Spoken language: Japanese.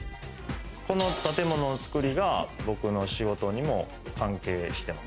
この建物の造りが、僕の仕事にも関係してます。